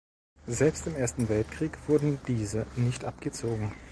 Selbst im Ersten Weltkrieg wurden diese nicht abgezogen.